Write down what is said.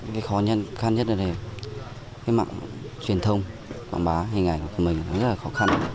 cái khó khăn nhất ở đây là mạng truyền thông quảng bá hình ảnh của mình rất là khó khăn